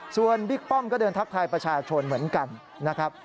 ส่วนบิ๊กป้อมก็เดินทักทายประชาชนเหมือนกันนะครับ